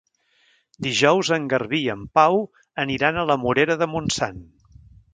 Dijous en Garbí i en Pau aniran a la Morera de Montsant.